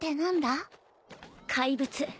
怪物。